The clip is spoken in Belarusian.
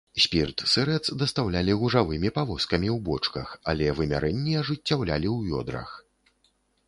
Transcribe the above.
Спірт-сырэц дастаўлялі гужавымі павозкамі ў бочках, але вымярэнні ажыццяўлялі ў вёдрах.